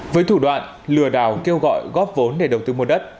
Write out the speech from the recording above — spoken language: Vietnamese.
với thủ đoạn lừa đảo kêu gọi góp vốn để đầu tư mua đất